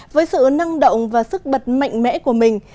với sự năng động và sức bật mạnh mẽ của mình